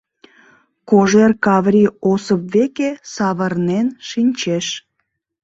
— Кожер Каврий Осып веке савырнен шинчеш.